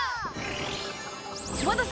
おまたせ！